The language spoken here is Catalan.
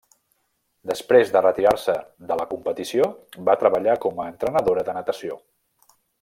Després de retirar-se de la competició va treballar com a entrenadora de natació.